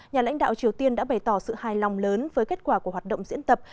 nhà lãnh đạo triều tiên đã bày tỏ sự hài lòng lớn với kết quả của hoạt động diễn tập